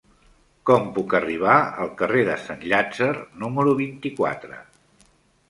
Com puc arribar al carrer de Sant Llàtzer número vint-i-quatre?